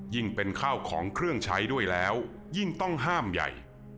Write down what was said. ยิ่งเป็นข้าวของเครื่องใช้ด้วยแล้วยิ่งต้องห้ามใหญ่